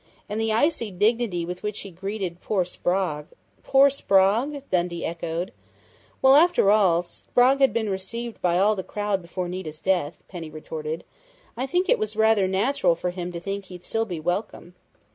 And the icy dignity with which he greeted poor Sprague " "Poor Sprague?" Dundee echoed. "Well, after all, Sprague had been received by all the crowd before Nita's death," Penny retorted. "I think it was rather natural for him to think he'd still be welcome.